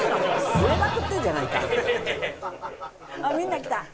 みんなきた。